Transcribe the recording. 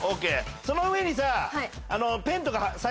その上に。